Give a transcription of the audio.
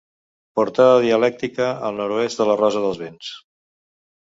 Portada dialèctica al nord-oest de la rosa dels vents.